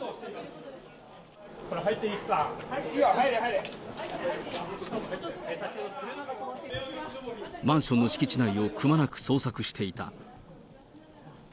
入っていいよ、入れ、マンションの敷地内をくまなく捜索していた。